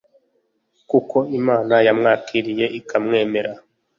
kuko Imana yamwakiriye ikamwemera